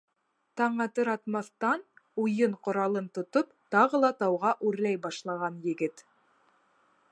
Таң атыр-атмаҫтан уйын ҡоралын тотоп тағы ла тауға үрләй башлаған егет.